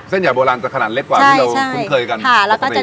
ใหญ่โบราณจะขนาดเล็กกว่าที่เราคุ้นเคยกัน